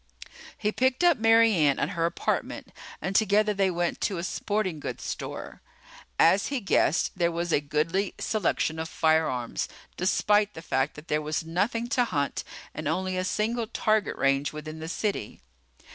He picked up Mary Ann at her apartment and together they went to a sporting goods store. As he guessed there was a goodly selection of firearms, despite the fact that there was nothing to hunt and only a single target range within the city.